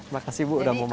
makasih bu udah mau mampir